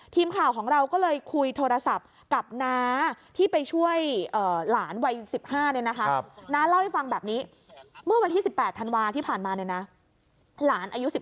ทีมข่าวของเราก็เลยคุยโทรศัพท์กับหนาที่ไปช่วยหลานวัย๑๕